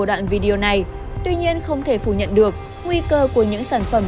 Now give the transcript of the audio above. đoạn video này tuy nhiên không thể phủ nhận được nguy cơ của những sản phẩm